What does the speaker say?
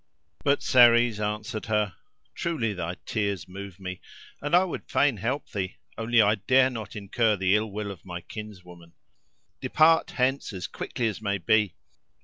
But Ceres answered her, "Truly thy tears move me, and I would fain help thee; only I dare not incur the ill will of my kinswoman. Depart hence as quickly as may be."